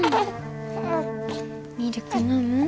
ミルク飲む？